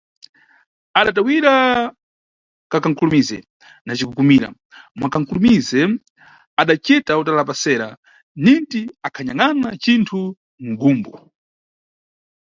Adatawira kankakulumize na cikukumira, mwa kankulumize adacita utalapasera ningti akhanyangʼna cinthu mʼgumbu.